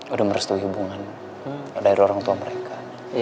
udah merestui hubungan dari orang tua mereka